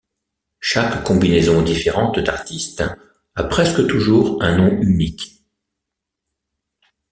Chaque combinaison différente d'artistes a presque toujours un nom unique.